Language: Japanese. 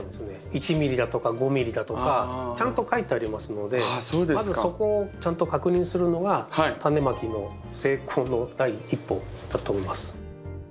１ｍｍだとか５ｍｍだとかちゃんと書いてありますのでまずそこをちゃんと確認するのがタネまきの成功の第一歩だと思います。